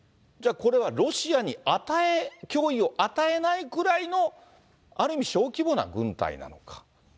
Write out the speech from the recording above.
じゃあこれはロシアに与え、脅威を与えないくらいの、ある意味、小規模な軍隊なのか。